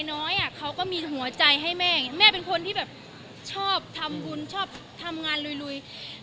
น้อยเขาก็มีหัวใจให้แม่แม่เป็นคนที่แบบชอบทำบุญชอบทำงานลุย